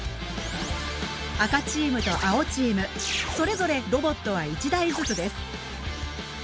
赤チームと青チームそれぞれロボットは１台ずつです。